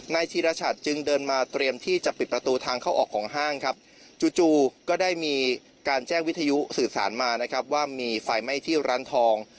ธีรชัดจึงเดินมาเตรียมที่จะปิดประตูทางเข้าออกของห้างครับจู่ก็ได้มีการแจ้งวิทยุสื่อสารมานะครับว่ามีไฟไหม้ที่ร้านทอง